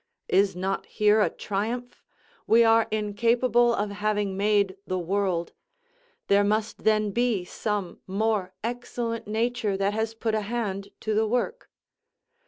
Is not here a triumph? we are incapable of having made the world; there must then be some more excellent nature that has put a hand to the work.